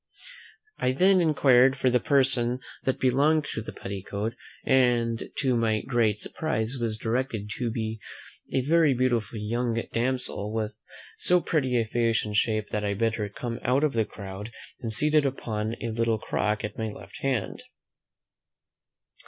I then inquired for the person that belonged to the petticoat; and to my great surprise, was directed to a very beautiful young damsel, with so pretty a face and shape, that I bid her come out of the crowd, and seated her upon a little crock at my left hand.